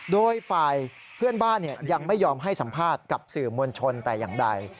โดยฝ่ายเพื่อนบ้านยังไม่ยอมให้สัมภาษณ์กับสื่อมวลชนแต่อย่างใด